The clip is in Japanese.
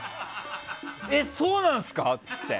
えっそうなんすか！？って言って。